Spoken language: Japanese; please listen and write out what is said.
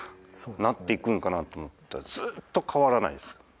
なっていくのかなと思ったらずっと変わらないです。